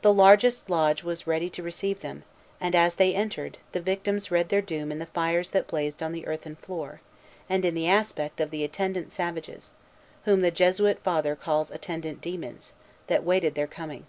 The largest lodge was ready to receive them; and as they entered, the victims read their doom in the fires that blazed on the earthen floor, and in the aspect of the attendant savages, whom the Jesuit Father calls attendant demons, that waited their coming.